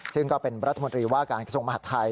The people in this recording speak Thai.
ซึ่งก็เป็นรัฐมนตรีว่าการกระทรวงมหาดไทย